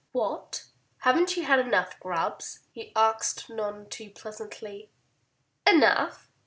"What! Haven't you had enough grubs?" he asked none too pleasantly. "Enough!"